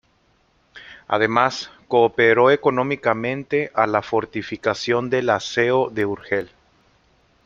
Además cooperó económicamente a la fortificación de la Seo de Urgel.